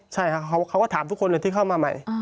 ใช่ครับเขาก็ถามทุกคนเลยที่เข้ามาใหม่